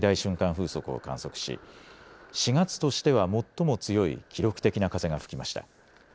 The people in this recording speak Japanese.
風速を観測し４月としては最も強い記録的な風が吹きました。